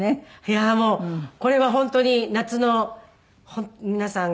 いやあもうこれは本当に夏の皆さん